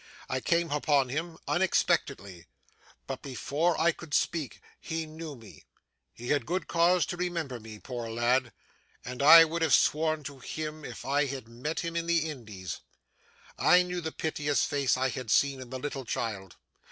I came upon him unexpectedly; but before I could speak he knew me he had good cause to remember me, poor lad! and I would have sworn to him if I had met him in the Indies. I knew the piteous face I had seen in the little child.